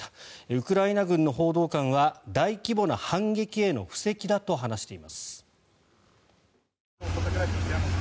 ウクライナ軍の報道官は大規模な反撃への布石だと話しています。